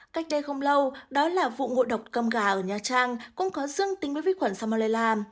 cách đây không lâu đó là vụ ngộ độc cơm gà ở nha trang cũng có dương tính với vi khuẩn salmolia